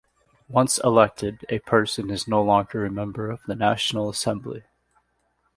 Once elected, a person is no longer a member of the national assembly.